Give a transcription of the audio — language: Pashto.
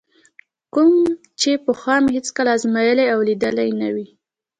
کوم چې پخوا مې هېڅکله ازمایلی او لیدلی نه وي.